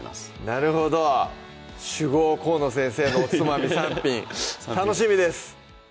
なるほど酒豪・河野先生のおつまみ３品楽しみです！